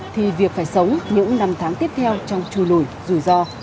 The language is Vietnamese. thì việc phải sống những năm tháng tiếp theo trong chu lùi rủi ro